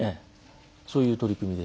そういう取り組みで。